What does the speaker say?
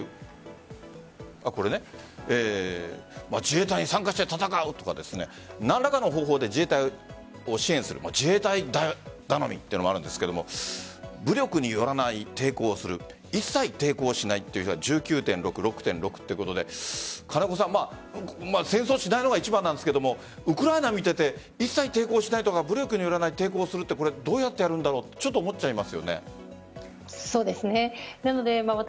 自衛隊に参加して戦うとか何らかの方法で自衛隊を支援する自衛隊頼みというのもあるんですが武力によらない抵抗をする一切抵抗しないという人が１９．６６．６ということで戦争をしないのが一番なんですがウクライナを見ていて一切抵抗しないとか武力によらない抵抗するってどうやってるんだろうって思っちゃいますよね。